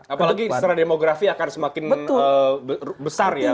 apalagi secara demografi akan semakin besar ya